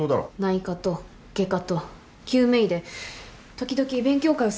内科と外科と救命医で時々勉強会をするのはどうでしょう。